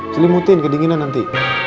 selimutin kedinginan nanti